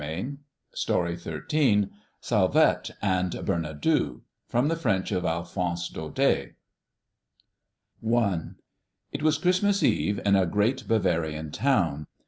SALVETTE AND BERNADOU. From the French of ALPHONSE DAUDET. I. It was Christmas Eve in a great Bavarian town.